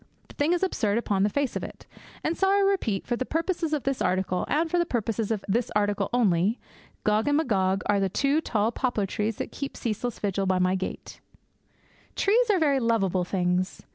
The thing is absurd upon the face of it. And so I repeat that for the purposes of this article, and for the purposes of this article only, Gog and Magog are the two tall poplar trees that keep ceaseless vigil by my gate. Trees are very lovable things.